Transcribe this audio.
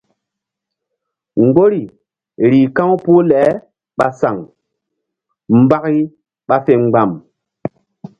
Mgbori rih ka̧w puh le ɓa saŋ mbaki ɓa fe mgba̧m.